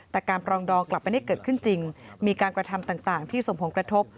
แต่การปรองดองกลับไม่ได้เกิดขึ้นจริงมีการกระทำต่างที่สมผงกระทบ